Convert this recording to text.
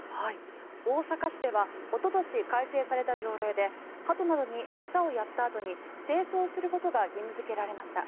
大阪市ではおととし改正された条例でハトなどに餌をやったあとに清掃することが義務付けられました。